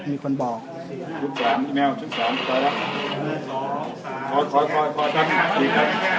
มีคนบอกทุกสามที่แม่วทุกสามไปแล้วหนึ่งสองสาม